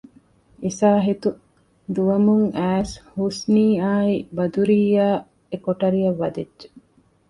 އިސާހިތު ދުވަމުން އައިސް ޙުސްނީއާއި ބަދުރިއްޔާ އެކޮޓަރިއަށް ވަދެއްޖެ